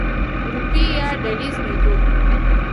ګروپي يا ډلييز ميتود: